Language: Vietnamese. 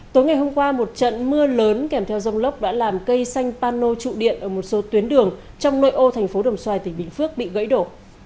tối ngày hôm qua một trận mưa lớn kèm theo dông lốc đã làm cây xanh pano trụ điện ở một số tuyến đường trong nội ô thành phố đồng xoài tỉnh bình phước bị gãy đổ